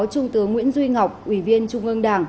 trung tướng nguyễn duy ngọc ủy viên trung ương đảng